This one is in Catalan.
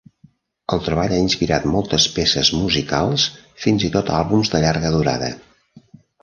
El treball ha inspirat moltes peces musicals, fins i tot àlbums de llarga durada.